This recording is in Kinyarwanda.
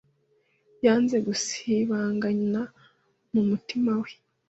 yanze gusibangana mu mutima we